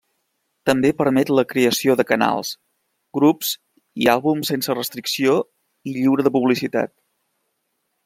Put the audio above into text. També permet la creació de canals, grups i àlbums sense restricció i lliure de publicitat.